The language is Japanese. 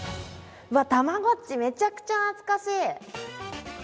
たまごっち、めちゃくちゃ懐かしい！